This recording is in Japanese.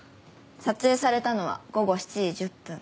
撮影されたのは午後７時１０分。